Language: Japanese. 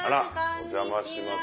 お邪魔します